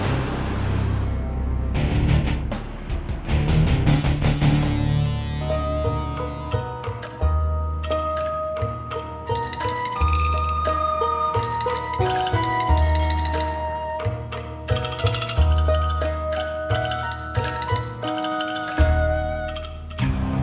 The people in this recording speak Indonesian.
maka selamat datang ke terminal